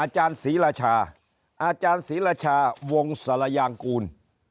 อาจารย์ศรีรชาอาจารย์ศรีรชาวงศรยางกูล